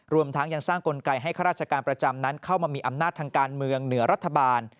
รวมทั้งยังสร้างกลไกให้ข้าราชการประจำนั้นเข้ามามีอำนาจทางการเมืองเหนือรัฐบาล